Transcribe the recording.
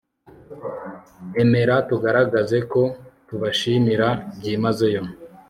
Emera tugaragaze ko tubashimira byimazeyo